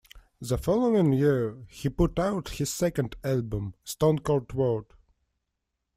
The following year, he put out his second album, "Stone Cold World".